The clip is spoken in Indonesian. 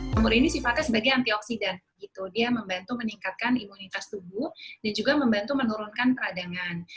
jamur ini sifatnya sebagai antioksidan gitu dia membantu meningkatkan imunitas tubuh dan juga membantu menurunkan peradangan